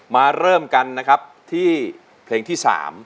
เริ่มกันนะครับที่เพลงที่๓